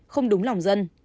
không đúng lòng dân